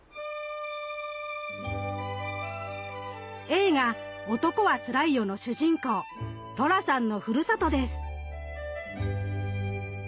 映画「男はつらいよ」の主人公寅さんのふるさとです。